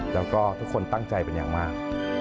แล้วก็ทุกคนตั้งใจเป็นอย่างมาก